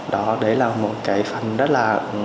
đó đấy là một cái phần rất là